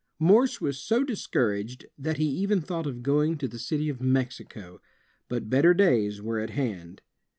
Morse was so discouraged that he even thought of going to the dty of Mexico. But better days were at hand.